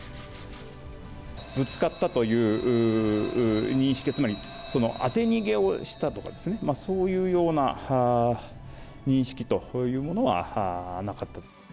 ぶつかったという認識、つまり当て逃げをしたとか、そういうような認識というものはなかった。